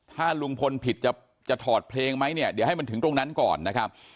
ถ้าลุงพลผิดจะจะถอดเพลงไหมเนี่ยเดี๋ยวให้มันถึงตรงนั้นก่อนนะครับ